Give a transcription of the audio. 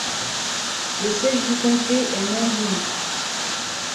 Le siège du comté est Mangum.